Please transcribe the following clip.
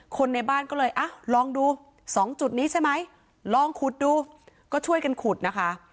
คนในบ้านก็เลยอ่ะลองดูสองจุดนี้ใช่ไหมลองขุดดูก็ช่วยกันขุดนะคะ